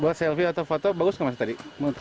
buat selfie atau foto bagus gak mas tadi